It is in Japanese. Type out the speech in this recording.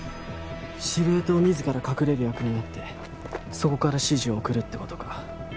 司令塔自ら隠れる役になってそこから指示を送るって事か。